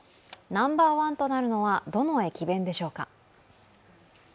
ナンバーワンとなるのはどの駅弁でしょうか。